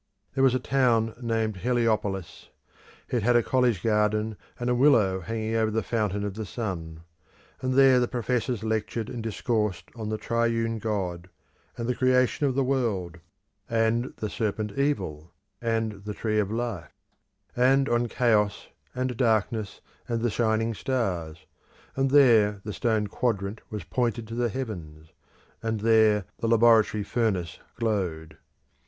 There was a town named Heliopolis; it had a college garden, and a willow hanging over the Fountain of the Sun; and there the professors lectured and discoursed on the Triune God, and the creation of the world, and, the Serpent Evil, and the Tree of Life; and on chaos and darkness, and the shining stars; and there the stone quadrant was pointed to the heavens; and there the laboratory furnace glowed.